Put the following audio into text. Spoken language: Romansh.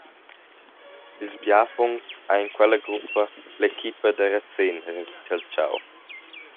Ils bia puncts ha en quella gruppa l’equipa da Razén recaltgau.